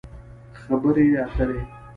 خبرې اترې